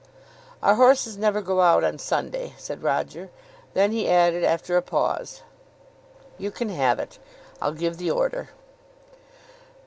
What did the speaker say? "Our horses never go out on Sunday," said Roger. Then he added, after a pause, "You can have it. I'll give the order."